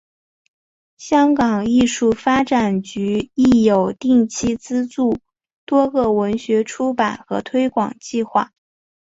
香港艺术发展局亦有定期资助多个文学出版和推广计划。